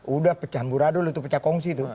udah pecah buradul itu pecah kongsi itu